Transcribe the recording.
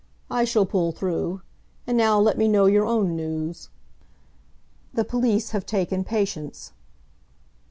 I shall pull through. And now let me know your own news." "The police have taken Patience."